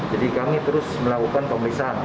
jadi kami terus melakukan pemeriksaan